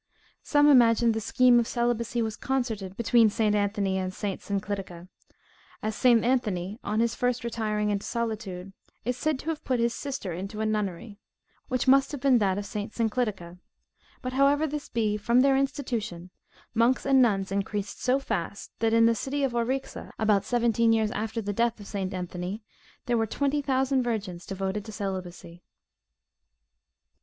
Some imagine the scheme of celibacy was concerted between St. Anthony and St. Synclitica, as St. Anthony, on his first retiring into solitude, is said to have put his sister into a nunnery, which must have been that of St. Synclitica; but however this be, from their institution, monks and nuns increased so fast, that in the city of Orixa, about seventeen years after the death of St. Anthony, there were twenty thousand virgins devoted to celibacy.